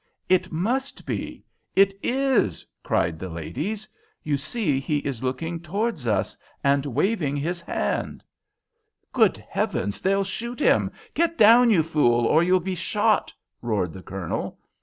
"It must be. It is!" cried the ladies. "You see he is looking towards us and waving his hand." "Good Heavens! They'll shoot him! Get down, you fool, or you'll be shot!" roared the Colonel.